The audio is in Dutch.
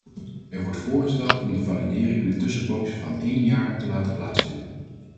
Er wordt voorgesteld om de validering met tussenpozen van één jaar te laten plaatsvinden.